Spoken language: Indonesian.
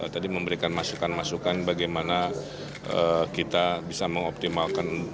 tadi memberikan masukan masukan bagaimana kita bisa mengoptimalkan